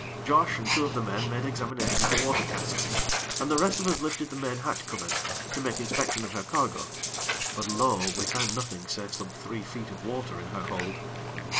Josh and two of the men made examination of the water casks, and the rest of us lifted the main hatch covers, to make inspection of her cargo; but lo! we found nothing, save some three feet of water in her hold.